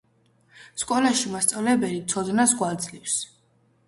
სკოლაში მასწავლებელი ცოდნას გვაძლევს